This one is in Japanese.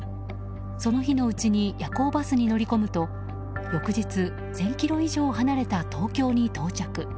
その日のうちに夜行バスに乗り込むと翌日、１０００ｋｍ以上離れた東京に到着。